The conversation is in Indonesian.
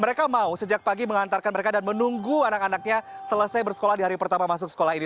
mereka mau sejak pagi mengantarkan mereka dan menunggu anak anaknya selesai bersekolah di hari pertama masuk sekolah ini